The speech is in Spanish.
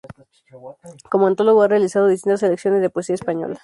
Como antólogo ha realizado distintas selecciones de poesía española.